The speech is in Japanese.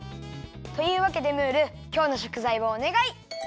というわけでムールきょうのしょくざいをおねがい。